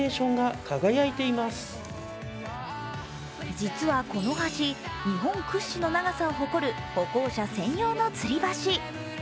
実はこの橋、日本屈指の長さを誇る歩行者専用のつり橋。